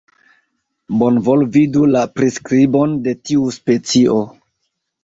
Bonvolu vidu la priskribon de tiu specio.